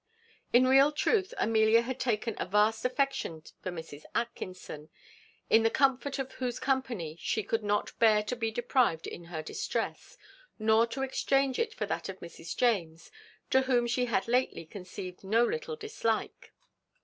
In real truth, Amelia had taken a vast affection for Mrs. Atkinson, of the comfort of whose company she could not bear to be deprived in her distress, nor to exchange it for that of Mrs. James, to whom she had lately conceived no little dislike.